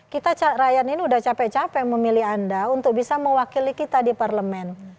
kita rakyat ini udah capek capek memilih anda untuk bisa mewakili kita di parlemen